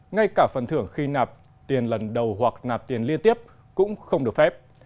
ngay cả phần thưởng khi nạp tiền lần đầu hoặc nạp tiền liên tiếp cũng không được phép